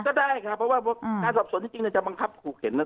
ก็ได้ค่ะเพราะว่าการสอบสนที่จริงเนี่ยจะบังคับครูเข็ญนะ